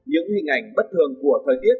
những hình ảnh bất thường của thời tiết